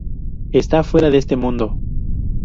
Está fuera de este mundo.